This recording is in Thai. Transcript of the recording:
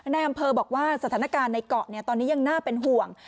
ในอำเภอบอกว่าสถานการณ์ในเกาะตอนนี้ยังน่าเป็นห่วง